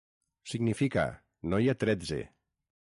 Significa: no hi ha tretze.